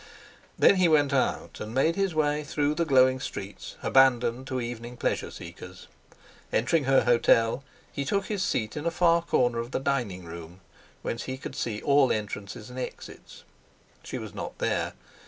Then he went out, and made his way through the glowing streets, abandoned to evening pleasure seekers. Entering her hotel, he took his seat in a far corner of the dining room whence he could see all entrances and exits. She was not there.